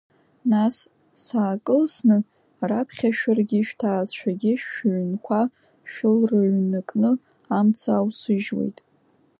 Нас, саакылсны, раԥхьа шәаргьы шәҭаацәагьы шәыҩнқәа шәылрыҩнакны амца аусыжьуеит.